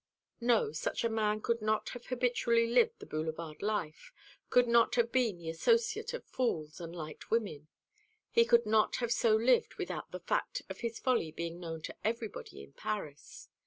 No, such a man could not have habitually lived the Boulevard life, could not have been the associate of fools and light women. He could not so have lived without the fact of his folly being known to everybody in Paris.